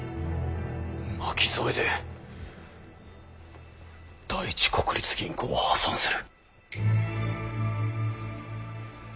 巻き添えで第一国立銀行は破産する！